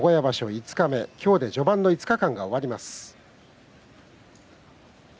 五日目今日で序盤の５日間が終わります。